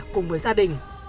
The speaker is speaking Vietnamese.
cùng với gia đình